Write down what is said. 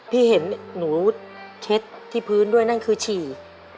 ที่เห็นหนูเช็ดที่พื้นด้วยนั่นคือฉี่